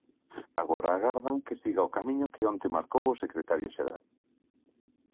Agora agardan que siga o camiño que onte marcou o secretario xeral.